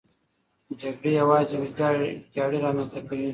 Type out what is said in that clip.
جګړې یوازې ویجاړي رامنځته کوي.